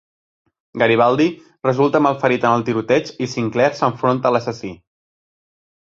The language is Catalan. Garibaldi resulta malferit en el tiroteig i Sinclair s'enfronta a l'assassí.